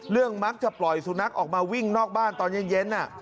มักจะปล่อยสุนัขออกมาวิ่งนอกบ้านตอนเย็น